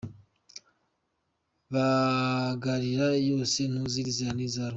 Bagarira yose ntuzi irizera n'irizarumba.